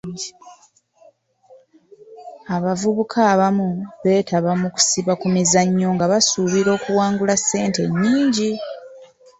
Abavubuka abamu beetaaba mu kusiba ku mizannyo nga basuubira okuwangula ssente ennyingi .